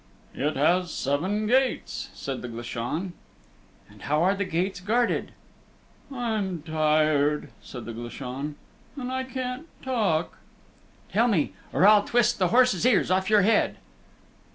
"It has seven gates," said the Glashan. "And how are the gates guarded?" "I'm tired," said the Glashan, "and I can't talk." "Tell me, or I'll twist the horse's ears off your head."